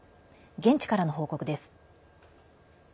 現地からの報告です。